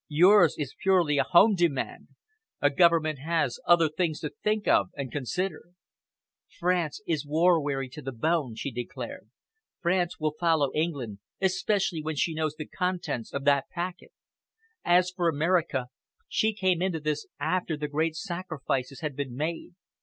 Yours is purely a home demand. A government has other things to think of and consider." "France is war weary to the bone," she declared. "France will follow England, especially when she knows the contents of that packet. As for America, she came into this after the great sacrifices had been made.